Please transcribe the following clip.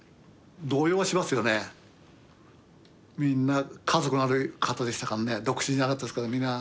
みんな家族のある方でしたからね独身じゃなかったですから。